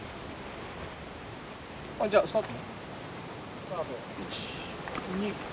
じゃあスタート。